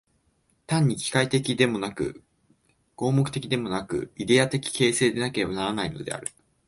単に機械的でもなく、合目的的でもなく、イデヤ的形成でなければならないのである。